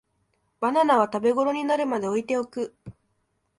バナナは食べごろになるまで置いておく